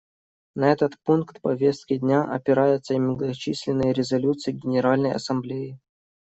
На этот пункт повестки дня опираются и многочисленные резолюции Генеральной Ассамблеи.